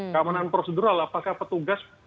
keamanan prosedural apakah petugas